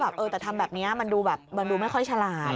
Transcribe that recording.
แต่ว่าทำแบบนี้มันดูไม่ค่อยฉลาด